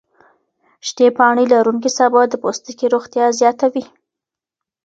شنې پاڼې لروونکي سابه د پوستکي روغتیا زیاتوي.